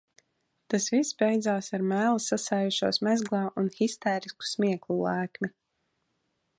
Tas viss beidzās ar mēli sasējušos mezglā un histērisku smieklu lēkmi.